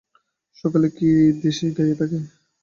সকলে কি দেশে গাঁয়ে থাকে?